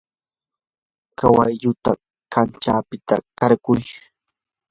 kawalluta kanchapita qarquy.